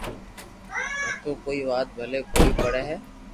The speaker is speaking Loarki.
منو ڪوئي وات پلي ڪوئي پڙي